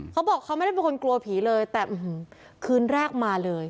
เขาบอกเขาไม่ได้เป็นคนกลัวผีเลยแต่คืนแรกมาเลย